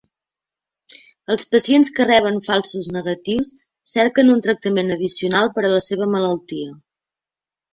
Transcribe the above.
Els pacients que reben falsos negatius cerquen un tractament addicional per a la seva malaltia.